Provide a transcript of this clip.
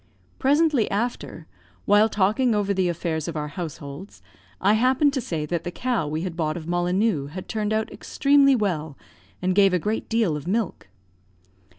Presently after, while talking over the affairs of our households, I happened to say that the cow we had bought of Mollineux had turned out extremely well, and gave a great deal of milk.